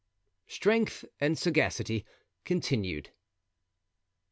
Strength and Sagacity—Continued.